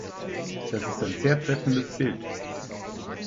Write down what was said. Das ist ein sehr treffendes Bild!